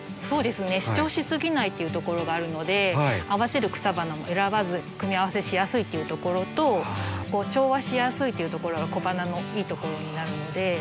そうですね主張しすぎないっていうところがあるので合わせる草花も選ばず組み合わせしやすいっていうところと調和しやすいっていうところが小花のいいところになるので。